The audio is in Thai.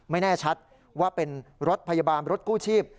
แน่ชัดว่าเป็นรถพยาบาลรถกู้ชีพ